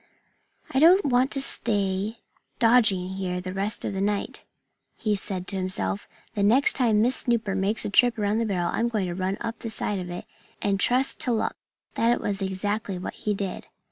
"I don't want to stay dodging here the rest of the night," he had said to himself. "The next time Miss Snooper makes a trip around the barrel I'm going to run up the side of it and trust to luck." That was exactly what he did.